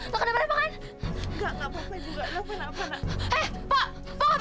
tak ada mana pangan